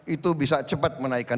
itu bisa cepat menaikkan